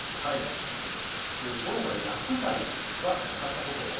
吾郎さん薬剤は使ったことおありですか？